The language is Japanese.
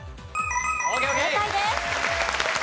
正解です。